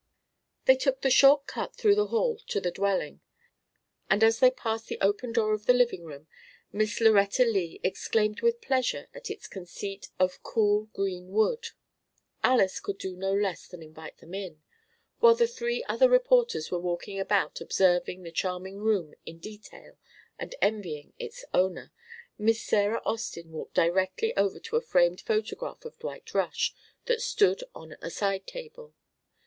They took the short cut through the hall of the dwelling, and as they passed the open door of the living room, Miss Lauretta Lea exclaimed with pleasure at its conceit of a cool green wood. Alys could do no less than invite them in. While the three other reporters were walking about observing the charming room in detail and envying its owner, Miss Sarah Austin walked directly over to a framed photograph of Dwight Rush that stood on a side table.